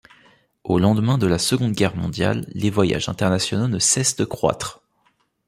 Au lendemain de la Seconde Guerre mondiale les voyages internationaux ne cessent de croitre.